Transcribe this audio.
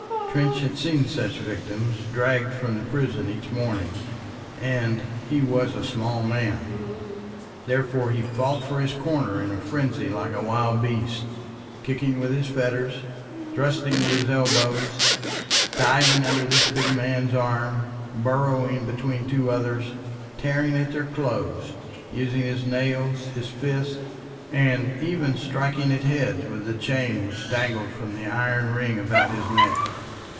Trench had seen such victims dragged from the prison each morning; and he was a small man. Therefore he fought for his corner in a frenzy like a wild beast, kicking with his fetters, thrusting with his elbows, diving under this big man's arm, burrowing between two others, tearing at their clothes, using his nails, his fists, and even striking at heads with the chain which dangled from the iron ring about his neck.